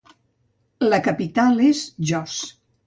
La capital és Jos.